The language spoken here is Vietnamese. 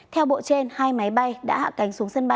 theo bộ trên hai máy bay đã hạ cánh xuống sân bay